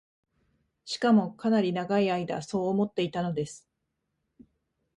しかも、かなり永い間そう思っていたのです